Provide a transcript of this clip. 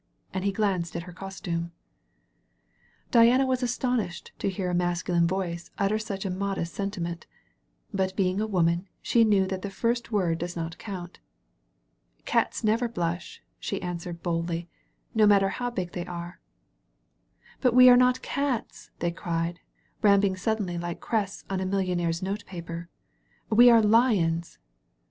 And he glanced at her costume. Diana was astonished to hear a masculine voice utter such a modest sentiment. But being a woman, she knew that the first word does not count. "Cats never blush," she answered boldly, "no matter how big they are." "But we are not Cats," they cried, ramping sud denly like crests on a millionaire's note paper. "We are Lions!"